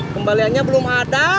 kembaliannya belum ada